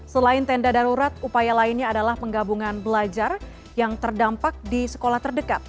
selain tenda darurat upaya lainnya adalah penggabungan belajar yang terdampak di sekolah terdekat